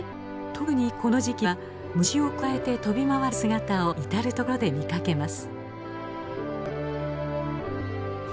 特にこの時期は虫をくわえて飛び回る姿を至る所で見かけます。